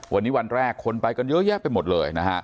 วันนี้วันแรกคนไปตั้งแต่เยอะแยะไปหมดเลย